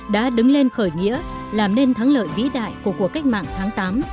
đã đứng lên khởi nghĩa làm nên thắng lợi vĩ đại của cuộc cách mạng tháng tám